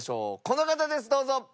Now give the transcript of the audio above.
この方ですどうぞ！